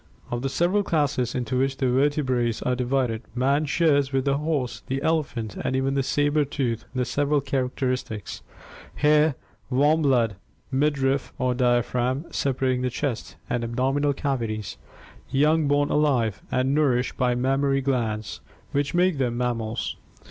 Of the several classes into which the verte brates are divided, man shares with the horse, the elephant, and even the saber tooth the several characteristics — hair, warm blood, midrif or diaphragm separating the chest and abdominal cavities, young born alive and nourished by mammary glands — which make them mammals.